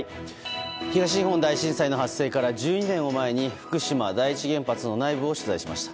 東日本大震災の発生から１２年を前に福島第一原発の内部を取材しました。